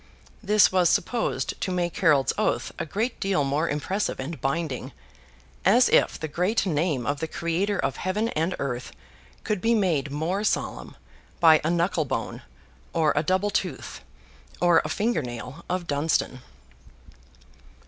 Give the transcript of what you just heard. This was supposed to make Harold's oath a great deal more impressive and binding. As if the great name of the Creator of Heaven and earth could be made more solemn by a knuckle bone, or a double tooth, or a finger nail, of Dunstan!